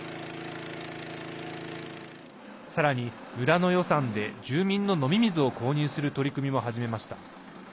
さらに、村の予算で住民の飲み水を購入する取り組みも始めました。